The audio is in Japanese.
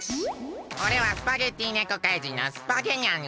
おれはスパゲッティ猫かいじんのスパゲニャン！